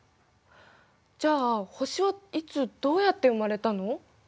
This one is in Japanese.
じゃあ星はいつどうやって生まれたの？